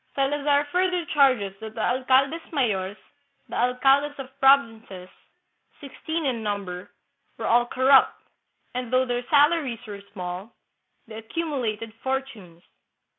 Salazar further charges that the alcaldes mayores (the alcaldes of provinces), sixteen in number, were all corrupt, and, though their salaries were small, they accumulated fortunes.